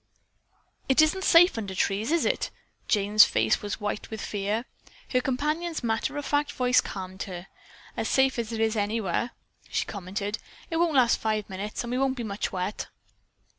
"It isn't safe under trees, is it?" Jane's face was white with fear. Her companion's matter of fact voice calmed her. "As safe as it is anywhere," she commented. "It won't last five minutes and we won't be much wet."